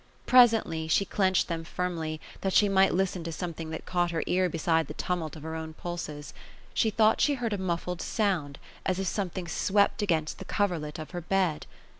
Presently, she clenched them firmly, that she might listen to something that caught her ear beside the tumult of her own pulses. She thought she heard a muf fled sound, as if something swept against the coverlet of her bed.